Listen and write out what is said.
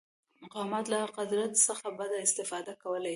مقامات له قدرت څخه بده استفاده کولی شي.